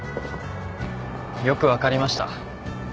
よく分かりました。